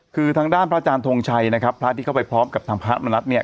คือทางด้านพระอาจารย์ทงชัยนะครับพระที่เข้าไปพร้อมกับทางพระมณัฐเนี่ย